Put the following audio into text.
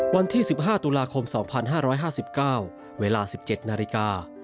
วันที่๑๕ตุลาคม๒๕๕๙เวลา๑๗นาฬิกา